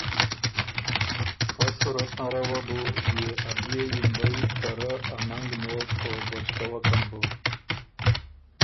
پۀ صورت نره وه بُو بيې ا بيې یِمبئ ته رۀ ا ننګ نوک او بچکوکن بُو۔